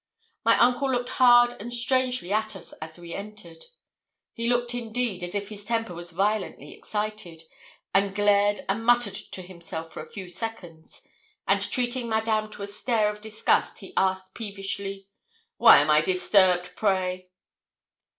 My uncle looked hard and strangely at us as we entered. He looked, indeed, as if his temper was violently excited, and glared and muttered to himself for a few seconds; and treating Madame to a stare of disgust, he asked peevishly 'Why am I disturbed, pray?'